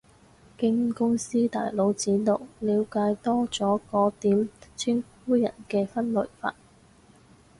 經公司大佬指導，了解多咗個點稱呼人嘅分類法